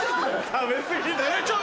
食べ過ぎだ。